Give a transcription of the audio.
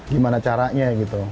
gimana caranya gitu